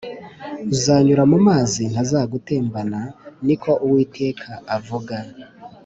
uzanyura mu amazi ntazagutembana niko uwitega avuga